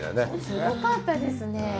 すごかったですね。